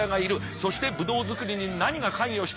そしてぶどう作りに何が関与しているのか。